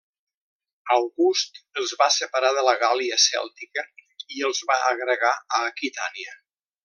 August els va separar de la Gàl·lia Cèltica i els va agregar a Aquitània.